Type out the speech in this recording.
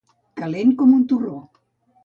Calent com un torró.